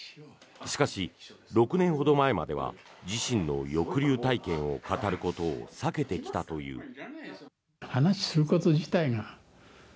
しかし、６年ほど前までは自身の抑留体験を語ることを避けてきたという。